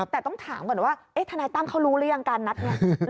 แต่ต้องถามก่อนว่าทนายตั้มเขารู้หรือยังการนัดไง